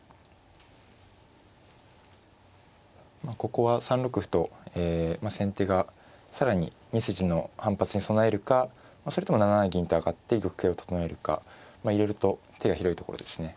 ここは３六歩と先手が更に２筋の反発に備えるかそれとも７七銀と上がって玉形を整えるかいろいろと手が広いところですね。